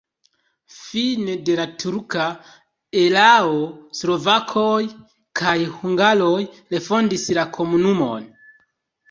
Fine de la turka erao slovakoj kaj hungaroj refondis la komunumon.